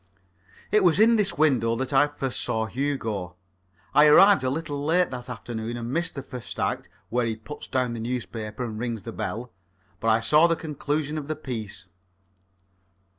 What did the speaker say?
It was in this window that I first saw Hugo. I arrived a little late that afternoon, and missed the first act, where he puts down the newspaper and rings the bell. But I saw the conclusion of the piece.